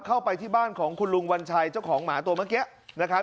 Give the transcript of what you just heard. เข้าไปที่บ้านของคุณลุงวัญชัยเจ้าของหมาตัวเมื่อกี้นะครับ